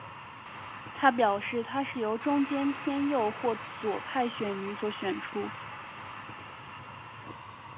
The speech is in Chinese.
他表示他是由中间偏右和左派选民所选出。